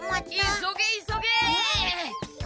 急げ急げ！